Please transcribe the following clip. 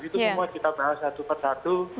itu semua kita bahas satu per satu